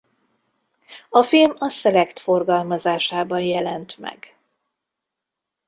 A film a Select forgalmazásában jelent meg.